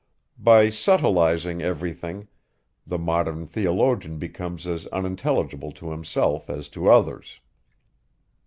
By subtilizing every thing, the modern theologian becomes as unintelligible to himself as to others.